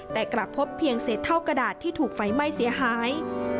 แต่กลับพบเพียงเศษเท่ากระดาษที่ถูกไฟไหม้เสียหาย